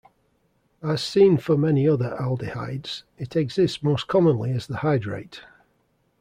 As seen for many other aldehydes, it exists most commonly as the hydrate.